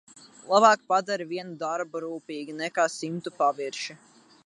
Labāk padari vienu darbu rūpīgi nekā simtu pavirši.